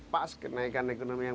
pas kenaikan ekonomi yang